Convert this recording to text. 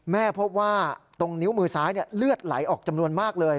พบว่าตรงนิ้วมือซ้ายเลือดไหลออกจำนวนมากเลย